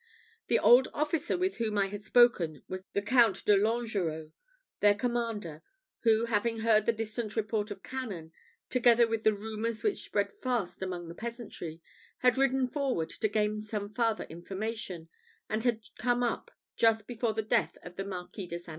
The old officer with whom I had spoken was the Count de Langerot, their commander, who, having heard the distant report of cannon, together with the rumours which spread fast among the peasantry, had ridden forward to gain some farther information, and had come up just before the death of the Marquis de St. Brie.